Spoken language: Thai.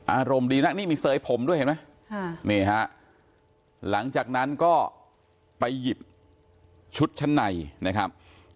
อารมณ์ดีนะนี่มีเสยผมด้วยเห็นไหมนี่ฮะหลังจากนั้นก็ไปหยิบชุดชั้นในนะครับ